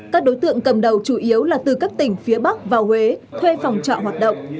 các đối tượng cầm đầu chủ yếu là từ các tỉnh phía bắc vào huế thuê phòng trọ hoạt động